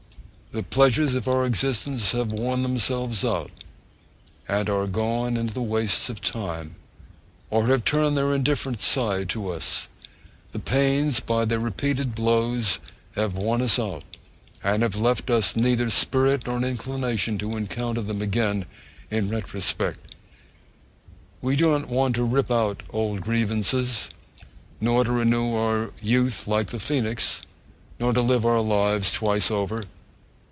The pleasures of our existence have worn themselves out, are 'gone into the wastes of time,' or have turned their indifferent side to us: the pains by their repeated blows have worn us out, and have left us neither spirit nor inclination to encounter them again in retrospect. We do not want to rip up old grievances, nor to renew our youth like the phoenix, nor to live our lives twice over.